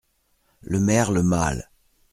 Le merle mâle.